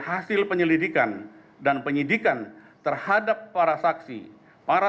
kami berharap akan mencari kesempatan yang lebih baik